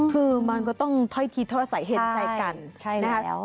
คือมันก็ต้องเท้าที่เท่าใส่เห็นใจกัน